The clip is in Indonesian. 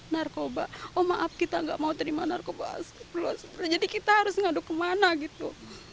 narkoba oh maaf kita nggak mau terima narkoba jadi kita harus ngaduk kemana gitu